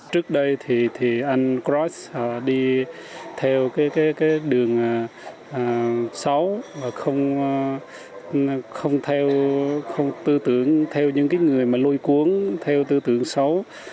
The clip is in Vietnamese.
trước đây thì anh krop đi theo đường xấu không tư tưởng theo những người lôi cuốn theo tư tưởng xấu